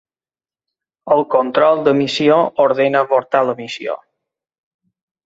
El Control de Missió ordena avortar la missió.